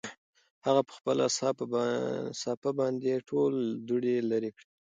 هغه په خپله صافه باندې ټول دوړې لرې کړې.